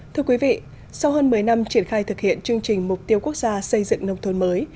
thưa quý vị sau hơn một mươi năm triển khai thực hiện chương trình mục tiêu quốc gia xây dựng nông thôn mới